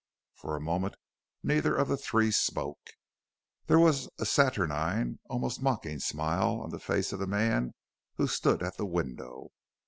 For a moment neither of the three spoke. There was a saturnine, almost mocking, smile on the face of the man who stood at the window.